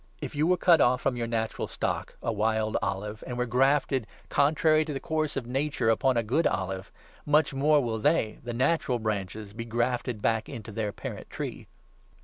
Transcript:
If you were cut off from your natural 24 stock — a wild olive — and were grafted, contrary to the course of nature, upon a good olive, much more will they — the natural branches — be grafted back into their parent tree.